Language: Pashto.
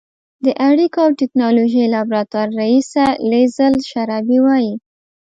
د اړیکو او ټېکنالوژۍ لابراتوار رییسه لیزل شرابي وايي